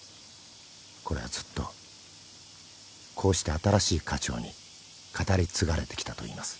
［これはずっとこうして新しい家長に語り継がれてきたといいます］